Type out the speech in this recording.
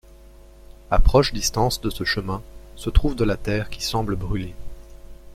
À proche distance de ce chemin, se trouve de la terre qui semble brûlée...